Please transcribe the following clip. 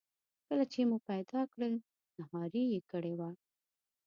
کله چې مو پیدا کړل نهاري یې کړې وه.